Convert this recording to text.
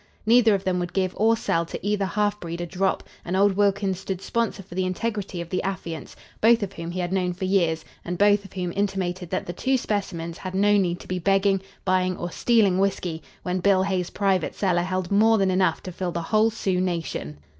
Neither of them would give or sell to either halfbreed a drop, and old Wilkins stood sponsor for the integrity of the affiants, both of whom he had known for years and both of whom intimated that the two specimens had no need to be begging, buying or stealing whiskey, when Bill Hay's private cellar held more than enough to fill the whole Sioux nation.